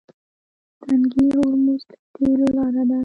تنګی هرمز د تیلو لاره ده.